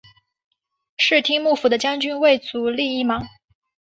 室町幕府的将军为足利义满。